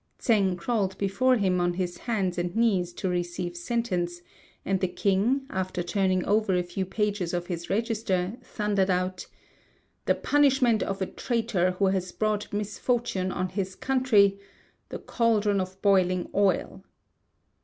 Tsêng crawled before him on his hands and knees to receive sentence, and the king, after turning over a few pages of his register, thundered out, "The punishment of a traitor who has brought misfortune on his country: the cauldron of boiling oil!"